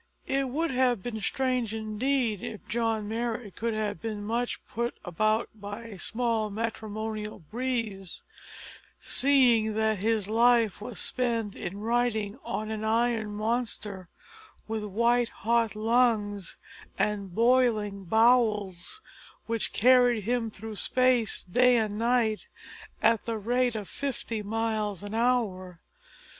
It would have been strange indeed if John Marrot could have been much put about by a small matrimonial breeze, seeing that his life was spent in riding on an iron monster with white hot lungs and boiling bowels which carried him through space day and night at the rate of fifty miles an hour!